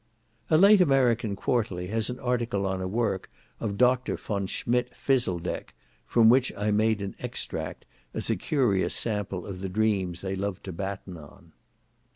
A late American Quarterly has an article on a work of Dr. Von Schmidt Phiseldek, from which I made an extract, as a curious sample of the dreams they love to batten on.